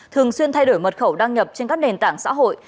thường xuyên thay đổi mật khẩu đăng nhập trên các nền tảng xã hội